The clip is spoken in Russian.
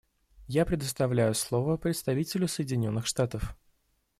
Я предоставляю слово представителю Соединенных Штатов.